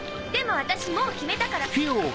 でも私もう決めたから。